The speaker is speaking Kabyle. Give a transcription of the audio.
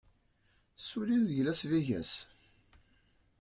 Ssullin deg Las Vegas.